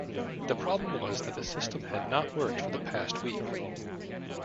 The problem was that the system had not worked for the past week